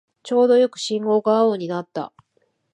ちょうどよく信号が青になった